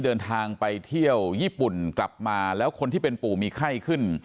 เดินทางไปเที่ยวญี่ปุ่นกลับมาแล้วคนที่เป็นปู่มีไข้ขึ้น